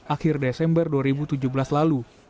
akhir desember dua ribu tujuh belas lalu